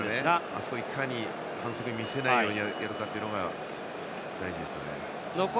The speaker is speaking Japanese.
あそこ、いかに反則に見せないようにやるかが大事です。